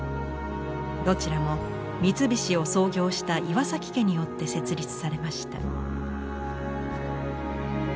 どちらも三菱を創業した岩崎家によって設立されました。